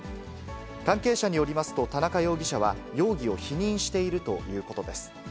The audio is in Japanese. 関係者によりますと、田中容疑者は容疑を否認しているということです。